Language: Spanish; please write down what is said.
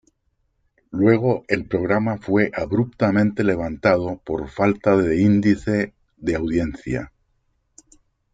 Luego el programa fue abruptamente levantado por falta de índice de audiencia.